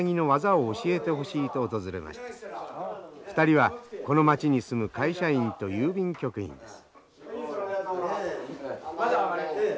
２人はこの町に住む会社員と郵便局員です。